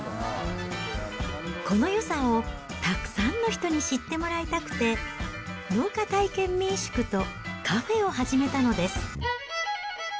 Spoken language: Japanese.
このよさをたくさんの人に知ってもらいたくて、農家体験民宿とカフェを始めたのです。